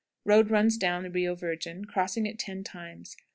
Road runs down the Rio Virgin, crossing it ten times.